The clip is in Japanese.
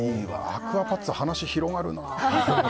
アクアパッツァ、話広がるな。